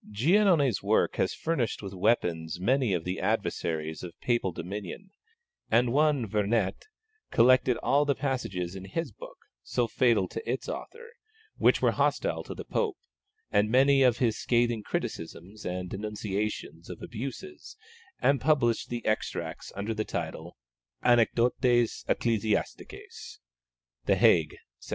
Giannone's work has furnished with weapons many of the adversaries of Papal dominion, and one Vernet collected all the passages in this book, so fatal to its author, which were hostile to the Pope, and many of his scathing criticisms and denunciations of abuses, and published the extracts under the title Anecdotes ecclésiastiques (The Hague, 1738).